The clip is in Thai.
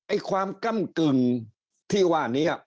ความก้ำกึ่งที่ว่านี้